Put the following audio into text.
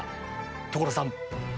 所さん！